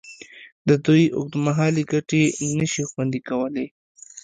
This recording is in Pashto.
د دوی اوږدمهالې ګټې نشي خوندي کولې.